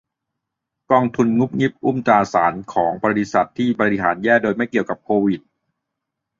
กองทุนงุบงิบอุ้มตราสารของบริษัทที่บริหารแย่โดยไม่เกี่ยวกับโควิด